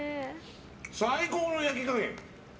最高の焼き加減！